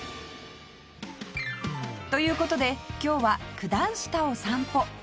という事で今日は九段下を散歩